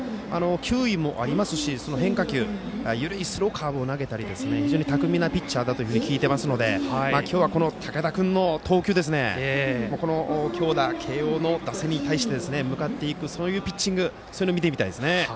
球威もありますし変化球が緩いスローカーブを投げたり非常に巧みなピッチャーだと聞いていますので今日は竹田君の投球強打の慶応の打線に対して向かっていくそういうピッチングを見てみたいですね。